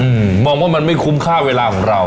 อืมมองว่ามันไม่คุ้มค่าเวลาของเรา